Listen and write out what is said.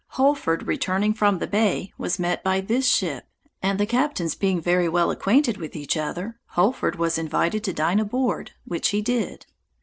Holford returning from the bay, was met by this ship, and the captains being very well acquainted with each other, Holford was invited to dine aboard, which he did.